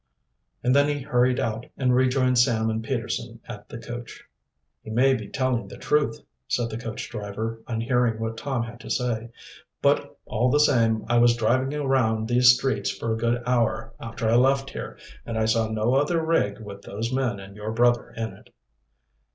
And then he hurried out and rejoined Sam and Peterson at the coach. "He may be telling the truth," said the coach driver, on hearing what Tom had to say. "But, all the same, I was driving around these streets for a good hour after I left here, and I saw no other rig with those men and your brother in it."